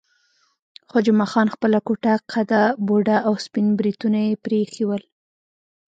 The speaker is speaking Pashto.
خو جمعه خان خپله کوټه قده، بوډا او سپین بریتونه یې پرې ایښي ول.